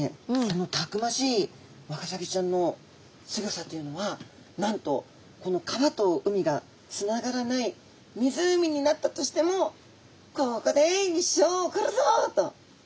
そのたくましいワカサギちゃんのすギョさというのはなんとこの川と海がつながらない湖になったとしても「ここで一生を送るぞ」と。